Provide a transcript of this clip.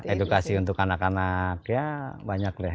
edukasi untuk anak anak ya banyak lah